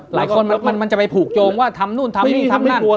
มันจะไปผูกโยงว่าทำนู่นทำนี่ทำนั่น